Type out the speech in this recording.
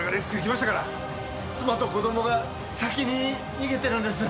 妻と子供が先に逃げてるんです。